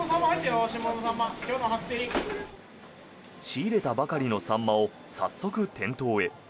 仕入れたばかりのサンマを早速店頭へ。